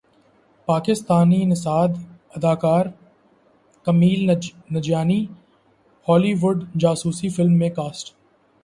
پاکستانی نژاد اداکار Kumail Nanjiani Hollywood جاسوسی فلم میں کاسٹ